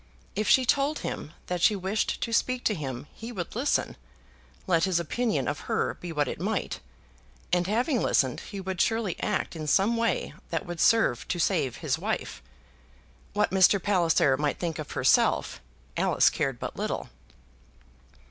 If she told him that she wished to speak to him, he would listen, let his opinion of her be what it might; and having listened he would surely act in some way that would serve to save his wife. What Mr. Palliser might think of herself, Alice cared but little.